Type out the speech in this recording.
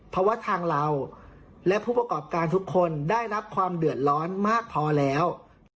เพราะว่าทางเราและผู้ประกอบการทุกคนได้รับความเดือดร้อนมากพอแล้ว